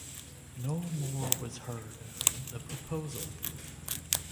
No more was heard of the proposal.